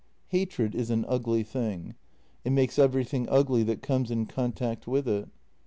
" Hatred is an ugly thing; it makes everything ugly that comes in contact with it.